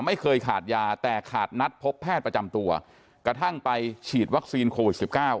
ไม่เคยขาดยาแต่ขาดนัดพบแพทย์ประจำตัวกระทั่งไปฉีดวัคซีนโควิดสิบเก้า